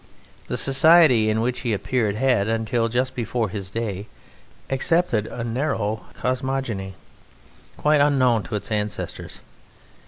The society in which he appeared had, until just before his day, accepted a narrow cosmogony, quite unknown to its ancestors.